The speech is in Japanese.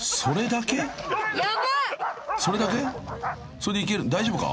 それでいける大丈夫か？］